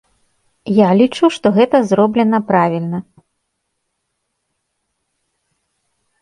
Я лічу, што гэта зроблена правільна.